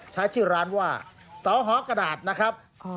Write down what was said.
ใช้ชื่อร้านว่าสอหอกระดาษนะครับ